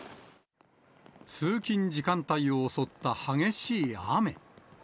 通勤時間帯を襲った激しい雨。